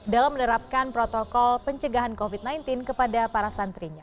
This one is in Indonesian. dalam menerapkan protokol pencegahan covid sembilan belas kepada para santrinya